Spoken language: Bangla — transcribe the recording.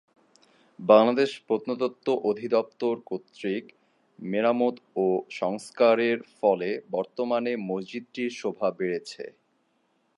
বাংলাদেশ প্রত্নতত্ত্ব অধিদপ্তর কর্তৃক মেরামত ও সংস্কারের ফলে বর্তমানে মসজিদটির শোভা বেড়েছে।